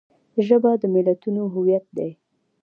ژبه د ملتونو هویت دی